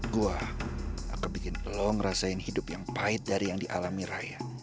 gua aku bikin lo ngerasain hidup yang pahit dari yang dialami raya